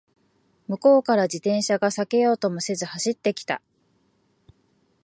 向こうから自転車が避けようともせず走ってきた